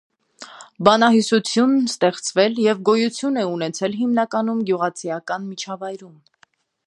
Բանահյուսությունն ստեղծվել և գոյություն է ունեցել հիմնականում գյուղացիական միջավայրում։